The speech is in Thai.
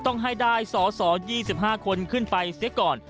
ต้องให้ได้สอสอ๒๕คนขึ้นไปเสียก่อน